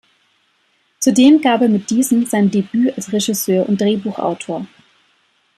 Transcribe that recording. Zudem gab er mit diesem sein Debüt als Regisseur und Drehbuchautor.